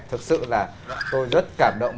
thực sự là tôi rất cảm động